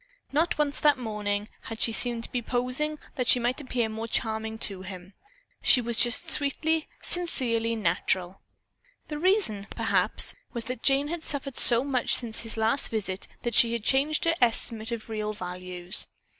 Not once that morning had she seemed to be posing that she might appear more charming to him. She was just sweetly, sincerely natural. The reason, perhaps, was that Jane had suffered so much since his last visit that she had changed her estimate of real values.